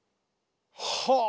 はあ！